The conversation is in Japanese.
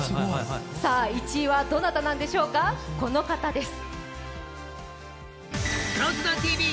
１位はどなたなんでしょうか、この方です。